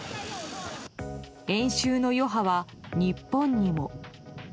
演習の余波は日本にも。